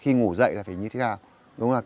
khi ngủ dậy là phải như thế nào